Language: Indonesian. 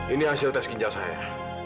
ini hasil tes ginjal saya